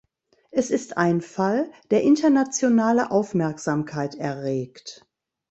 Es ist ein Fall, der internationale Aufmerksamkeit erregt.